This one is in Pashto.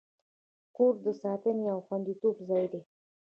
کور د ساتنې او خوندیتوب ځای دی.